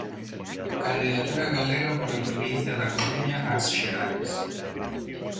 Candidatura Galega pola provincia da Coruña ás xerais.